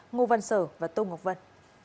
ngo văn sở và tô ngọc vân